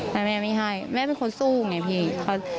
แต่แม่ไม่ให้แม่เป็นคนสู้ไงพี่